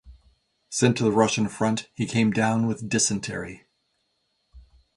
Sent to the Russian front, he came down with dysentery.